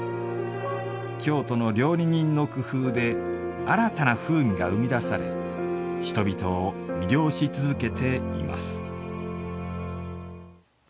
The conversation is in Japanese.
京都の料理人の工夫で新たな風味が生み出され人々を魅了し続けています。